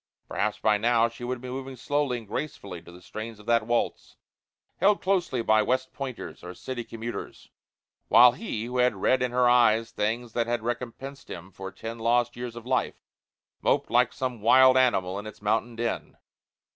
Perhaps by now she would be moving slowly and gracefully to the strains of that waltz, held closely by West Pointers or city commuters, while he, who had read in her eyes things that had recompensed him for ten lost years of life, moped like some wild animal in its mountain den.